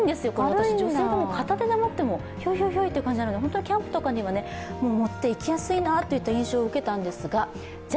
私、女性でも片手で持ってもひょいひょいひょいという感じで本当にキャンプとかには持っていきやすいなといった印象を受けたんですがじゃ